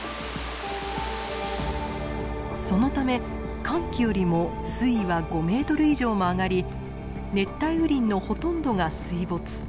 そのため乾季よりも水位は５ｍ以上も上がり熱帯雨林のほとんどが水没。